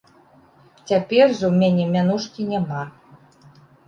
Цяпер жа ў мяне мянушкі няма.